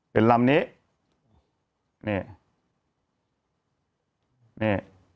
เป็นลำนี้